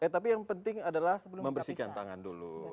tapi yang penting adalah membersihkan tangan dulu